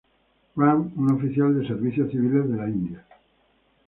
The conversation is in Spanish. Rand, un oficial de Servicios Civiles de India.